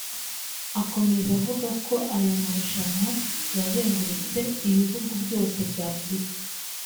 Akomeza avuga ko aya marushanwa yazengurutse ibihugu byose bya Afurika